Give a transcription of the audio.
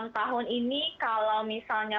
tahun ini kalau misalnya